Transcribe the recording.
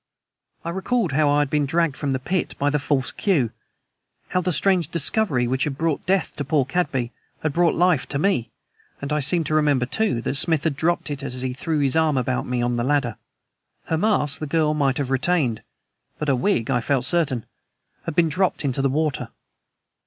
I recalled how I had been dragged from the pit by the false queue, how the strange discovery which had brought death to poor Cadby had brought life to me, and I seemed to remember, too, that Smith had dropped it as he threw his arm about me on the ladder. Her mask the girl might have retained, but her wig, I felt certain, had been dropped into the water.